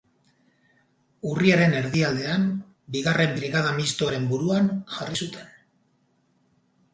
Urriaren erdialdean Bigarren Brigada Mistoaren buruan jarri zuten.